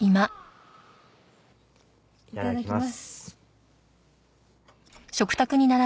いただきます。